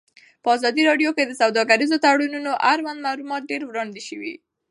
په ازادي راډیو کې د سوداګریز تړونونه اړوند معلومات ډېر وړاندې شوي.